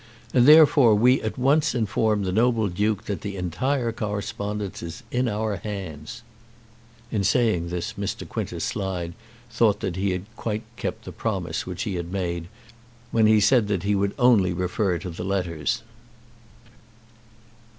And therefore we at once inform the noble Duke that the entire correspondence is in our hands." In saying this Mr. Quintus Slide thought that he had quite kept the promise which he made when he said that he would only refer to the letters.